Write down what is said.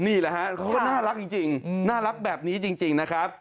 นี่แหละฮะเขาก็น่ารักจริงน่ารักแบบนี้จริงนะครับ